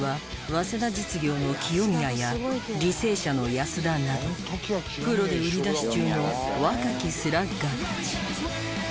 早稲田実業の清宮や履正社の安田などプロで売り出し中の若きスラッガーたち。